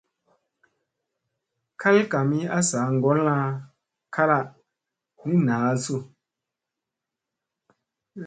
Kal kami a sa ngolla kala ni naaasu.